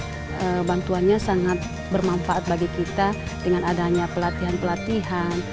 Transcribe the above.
karena bantuannya sangat bermanfaat bagi kita dengan adanya pelatihan pelatihan